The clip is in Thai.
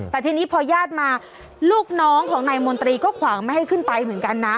แต่ทีนี้พอญาติมาลูกน้องของนายมนตรีก็ขวางไม่ให้ขึ้นไปเหมือนกันนะ